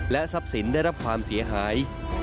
ทรัพย์สินได้รับความเสียหาย